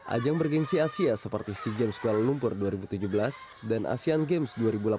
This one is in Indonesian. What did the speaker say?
ajang bergensi asia seperti sea games kuala lumpur dua ribu tujuh belas dan asean games dua ribu delapan belas